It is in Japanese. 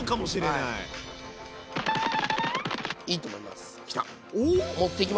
いいと思います。